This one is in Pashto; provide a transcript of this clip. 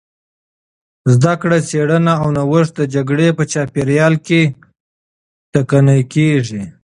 زدهکړه، څېړنه او نوښت د جګړې په چاپېریال کې ټکنۍ کېږي.